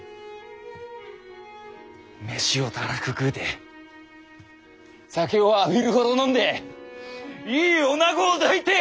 飯をたらふく食うて酒を浴びるほど飲んでいいおなごを抱いて！